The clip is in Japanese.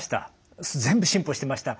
全部進歩してました。